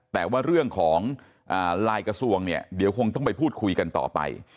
แต่ว่าเรื่องของลายกระทรวงเนี่ยเดี๋ยวคงต้องไปพูดคุยกันต่อไป